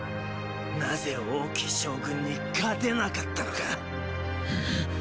なぜ王騎将軍に勝てなかったのか。！